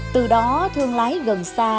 từ đó thương lái gần xa